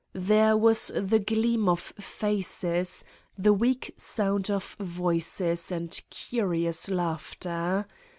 There was the gleam of faces, the weak sound of voices and curious laughter.